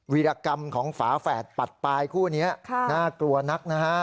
วิรกรรมของฝาแฝดปัดปลายคู่นี้น่ากลัวนักนะฮะ